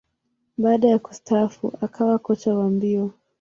Baada ya kustaafu, akawa kocha wa mbio.